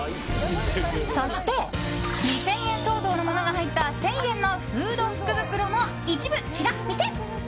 そして２０００円相当のものが入った１０００円のフード福袋も一部チラ見せ！